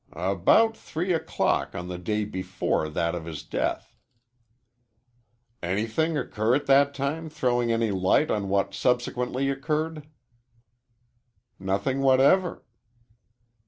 "About three o'clock on the day before that of his death." "Anything occur at that time throwing any light on what subsequently occurred?" "Nothing whatever."